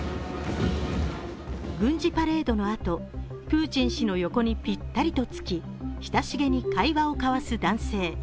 軍事パレードのあとプーチン氏の横にぴったりとつき親しげに会話を交わす男性。